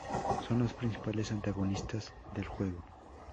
Son los principales antagonistas del juego.